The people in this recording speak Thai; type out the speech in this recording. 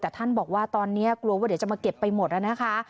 แต่ท่านบอกว่าตอนนี้กลัวว่าเดี๋ยวจะมาเก็บไปหมดแล้วนะคะ